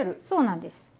そうなんです。